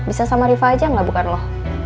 bisa sama rifa aja enggak bukan lo